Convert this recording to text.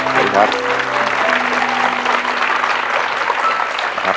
สวัสดีครับ